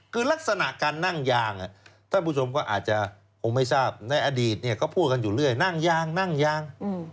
คือลักษณะการนั่งยางท่านผู้ชมก็อาจจะคงไม่ทราบในอดีตก็พูดกันอยู่เรื่อยนั่งยางนั่งยาง